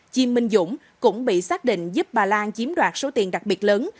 chi minh dũng cũng bị xác định giúp bà lan chiếm đoạt số tiền đặc biệt lớn